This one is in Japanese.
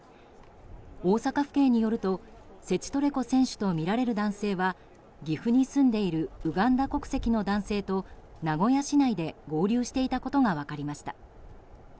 大阪府警によるとセチトレコ選手とみられる男性は岐阜に住んでいるウガンダ国籍の男性と名古屋市内で合流していたことが分かりました。